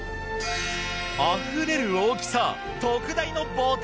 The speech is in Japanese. あふれる大きさ。